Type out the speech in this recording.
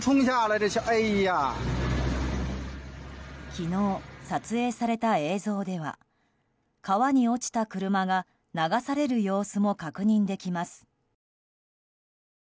昨日撮影された映像では川に落ちた車が流される様子も確認できます。